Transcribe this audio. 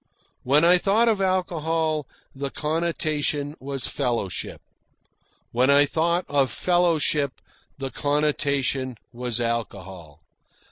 When I thought of alcohol, the connotation was fellowship. When I thought of fellowship, the connotation was alcohol.